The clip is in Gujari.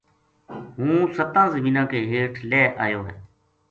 ہوں ستاں زمیناں کے ہیٹھ لہہ ایو ہے